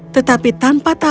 tetapi tanpa tawa dia lelah